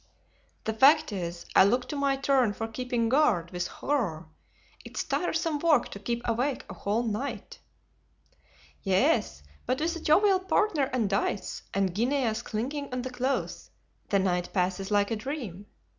"The fact is, I look to my turn for keeping guard with horror. It's tiresome work to keep awake a whole night." "Yes, but with a jovial partner and dice, and guineas clinking on the cloth, the night passes like a dream.